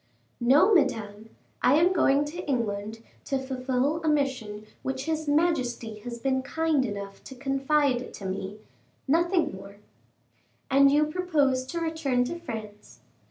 "No, Madame; I am going to England to fulfil a mission which his majesty has been kind enough to confide to me nothing more." "And you propose to return to France?"